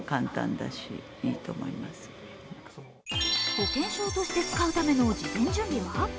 保険証として使うための事前準備は。